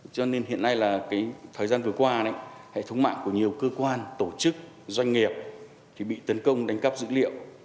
cho nên hiện nay là thời gian vừa qua hệ thống mạng của nhiều cơ quan tổ chức doanh nghiệp bị tấn công đánh cắp dữ liệu